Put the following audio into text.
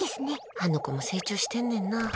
あの子も成長してんねんな。